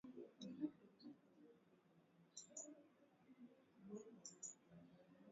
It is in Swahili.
Mnamo mwezi Januari, biashara kati ya Uganda na Jamuhuri ya kidemokrasia ya Kongo ilifikia kiwango cha juu